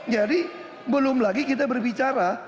jadi belum lagi kita berbicara